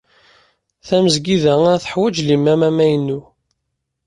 Tamesgida-a teḥwaj limam amaynu.